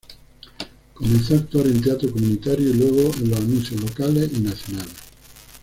Comenzó a actuar en teatro comunitario, y luego en los anuncios locales y nacionales.